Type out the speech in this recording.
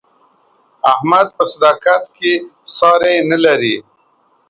احمد په صداقت کې ساری نه لري.